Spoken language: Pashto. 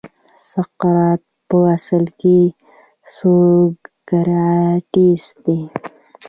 سقراط په اصل کې سوکراتیس دی.